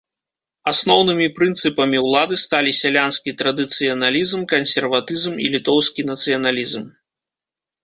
Асноўнымі прынцыпамі ўлады сталі сялянскі традыцыяналізм, кансерватызм і літоўскі нацыяналізм.